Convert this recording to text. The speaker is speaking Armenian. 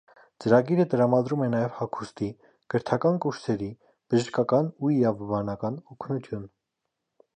Ծրագիրը տրամադրում է նաև հագուստի, կրթական կուրսերի, բժշկական ու իրավաբանական օգնություն։